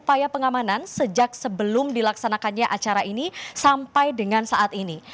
upaya pengamanan sejak sebelum dilaksanakannya acara ini sampai dengan saat ini